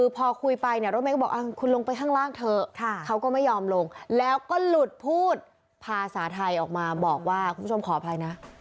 พูดพูดพาสาทัยออกมาบอกว่าคุณผู้ชมขออภัยนะ